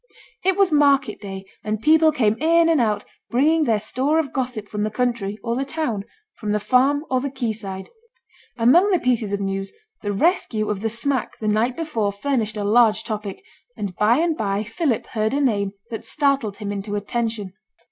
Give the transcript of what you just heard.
It was market day, and people came in and out, bringing their store of gossip from the country, or the town from the farm or the quay side. Among the pieces of news, the rescue of the smack the night before furnished a large topic; and by and by Philip heard a name that startled him into attention.